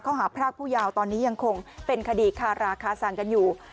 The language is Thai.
หาพรากผู้ยาวตอนนี้ยังคงเป็นคดีคาราคาสังกันอยู่